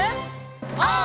オー！